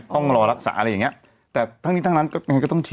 ต้องรอรักษาอะไรอย่างเงี้ยแต่ทั้งนี้ทั้งนั้นก็ยังไงก็ต้องเชื่อ